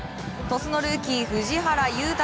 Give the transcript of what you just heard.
鳥栖のルーキー藤原悠